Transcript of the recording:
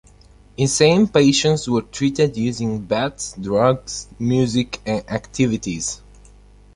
Insane patients were treated using baths, drugs, music and activities.